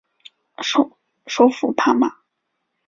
首府帕马。